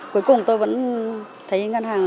cuối cùng tôi vẫn thấy những ngân hàng